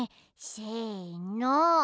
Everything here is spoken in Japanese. せの。